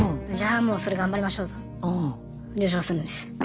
もうそれ頑張りましょうと了承するんです。